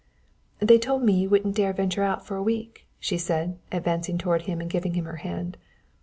"They told me you wouldn't dare venture out for a week," she said, advancing toward him and giving him her hand.